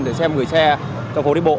để xem người xe trong phố đi bộ